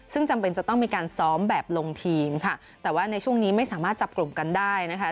ซึ่งจำเป็นจะต้องมีการซ้อมแบบลงทีมค่ะแต่ว่าในช่วงนี้ไม่สามารถจับกลุ่มกันได้นะคะ